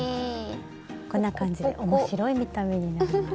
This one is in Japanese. こんな感じで面白い見た目になります。